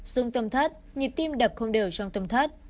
dùng tầm thắt nhịp tim đập không đều trong tầm thắt